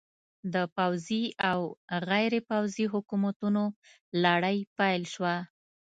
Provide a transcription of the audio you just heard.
د پوځي او غیر پوځي حکومتونو لړۍ پیل شوه.